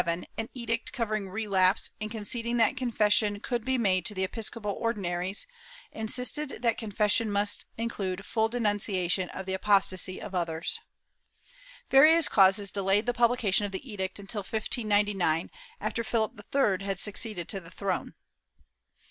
462) while granting, in 1597, an edict covering relapse and conceding that confes sion could be made to the episcopal Ordinaries, insisted that con fession must include full denimciation of the apostasy of others/ Various causes delayed the publication of the edict until 1599, after Philip III had succeeded to the throne.